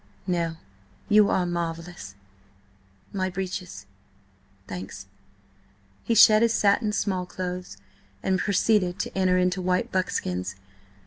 "No. You are marvellous. My breeches. Thanks." He shed his satin small clothes, and proceeded to enter into white buckskins.